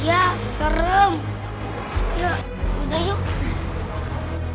ia serem udah yuk